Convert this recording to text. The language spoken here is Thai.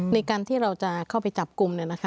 ในการที่เราจะเข้าไปจับกลุ่ม